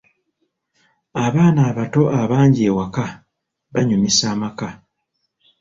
Abaana abato abangi ewaka banyumisa amaka.